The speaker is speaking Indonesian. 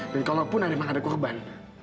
dan kalaupun ada yang mengandung korban